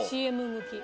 ＣＭ向き。